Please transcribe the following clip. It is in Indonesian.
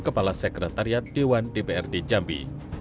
kepala sekretariat dewan dprd jambi